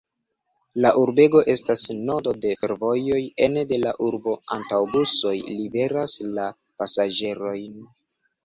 La urbego estas nodo de fervojoj, ene de la urbo aŭtobusoj liveras la pasaĝerojn.